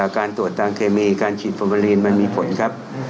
การตรวจตามเคมีการฉีดฟอร์เบอร์ลีนมันมีผลครับ